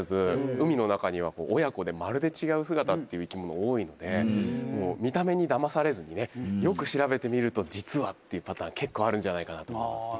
海の中にはこう親子でまるで違う姿っていう生き物多いので見た目にだまされずにねよく調べてみると実はっていうパターン結構あるんじゃないかなと思いますね